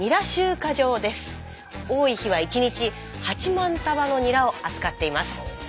多い日は１日８万束のニラを扱っています。